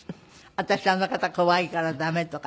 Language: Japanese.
私あの方怖いから駄目とか。